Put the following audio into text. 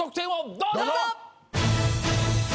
どうぞ！